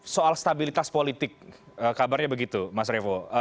soal stabilitas politik kabarnya begitu mas revo